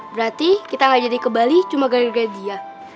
berarti kita gak jadi ke bali cuma gara gara dia